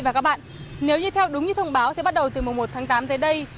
và các bạn nếu như theo đúng như thông báo thì bắt đầu từ mùa một tháng tám tới đây